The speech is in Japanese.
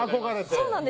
そうなんです。